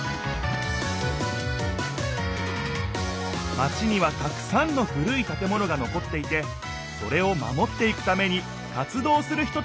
マチにはたくさんの古い建物が残っていてそれを守っていくために活動する人たちがいた。